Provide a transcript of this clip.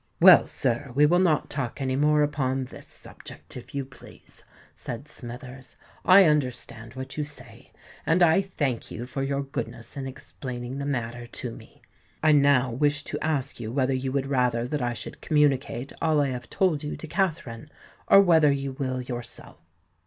"Well, sir, we will not talk any more upon this subject, if you please," said Smithers. "I understand what you say; and I thank you for your goodness in explaining the matter to me. I now wish to ask you whether you would rather that I should communicate all I have told you to Katherine; or whether you will yourself?"